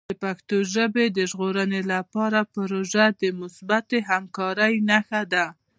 د پښتو ژبې د ژغورنې لپاره پروژه د مثبتې همکارۍ نښه ده.